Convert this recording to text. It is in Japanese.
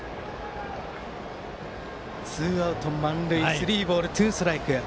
ツーアウト満塁スリーボールツーストライク。